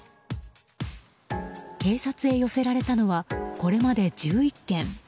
警察へ寄せられたのはこれまで１１件。